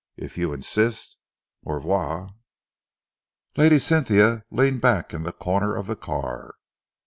If you insist au revoir!" Lady Cynthia leaned back in a corner of the car.